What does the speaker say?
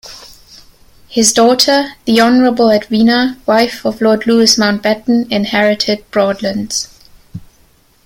His daughter, the Honourable Edwina, wife of Lord Louis Mountbatten, inherited Broadlands.